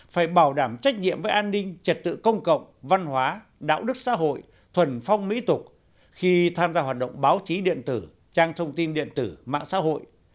phải bảo đảm trách nhiệm với an ninh trật tự công cộng văn hóa đạo đức xã hội thuần phong mỹ tục khi tham gia hoạt động báo chí điện tử trang thông tin điện tử mạng xã hội